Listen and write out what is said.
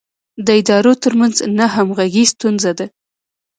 د ادارو ترمنځ نه همغږي ستونزه ده.